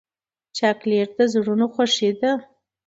چاکلېټ د زړونو خوښي ده.